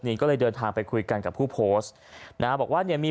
ก็เลยเดินทางไปคุยกันกับผู้โพสต์นะฮะบอกว่าเนี่ยมี